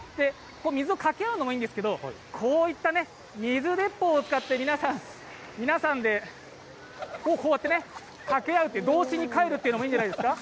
水をかけ合うのもいいんですが、こういった水鉄砲を使って、皆さんでこうやって掛け合う、童心に帰るのもいいんじゃないですか。